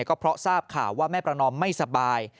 ก็เพราะทราบข่าวว่าแม่ประนอมไม่สบาย